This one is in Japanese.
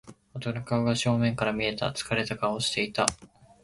男の顔が正面から見えた。疲れた顔をしていた。